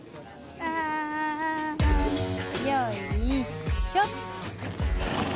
よいしょっ。